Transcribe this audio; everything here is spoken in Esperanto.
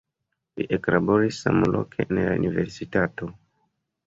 Li eklaboris samloke en la universitato.